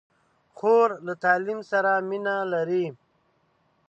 خور له تعلیم سره مینه لري.